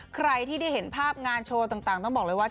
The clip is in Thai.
ใครที่ได้เห็นภาพงานโชว์ต่างต้องบอกเลยว่า